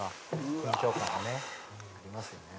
「緊張感がねありますよね」